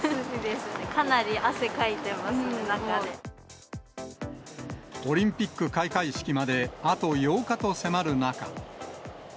かなり汗かいてますね、オリンピック開会式まで、あと８日と迫る中。